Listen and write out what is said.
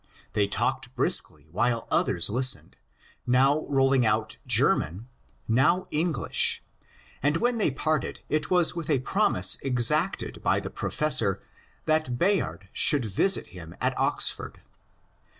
They talked briskly while others listened, now rolling out German, now English, and when they parted it was with a promise exacted by the professor that Bayard should visit him at Oxford.